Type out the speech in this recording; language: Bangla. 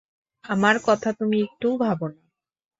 আমার কথা তুমি একটুও ভাব না।